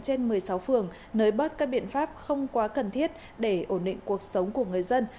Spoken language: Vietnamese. trên một mươi sáu phường nới bớt các biện pháp không quá cần thiết để ổn định cuộc sống của người dân